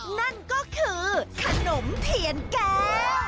นั่นก็คือขนมเทียนแก้ว